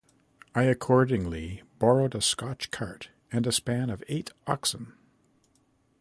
I accordingly borrowed a Scotch cart and a span of eight oxen.